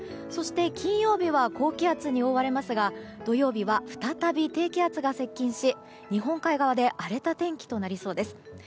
そして、金曜日は高気圧に覆われますが土曜日は再び低気圧が接近し日本海側で荒れた天気となりそうです。